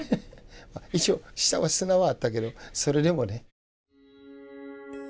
一応下は砂はあったけどそれでもね。